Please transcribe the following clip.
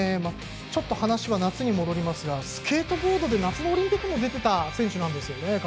ちょっと話は夏に戻りますがスケートボードで夏のオリンピックにも出ていた選手なんですよね。